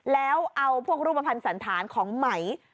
แล้วเอาพวกรูปภัณฑ์สันธารของไหม